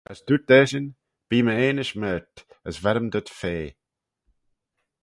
As dooyrt eshyn, Bee my enish mayrt, as ver-ym dhyt fea.